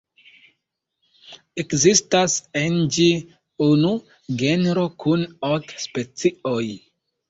Ekzistas en ĝi unu genro kun ok specioj.